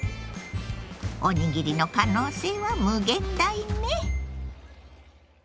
おにぎりの可能性は無限大ね。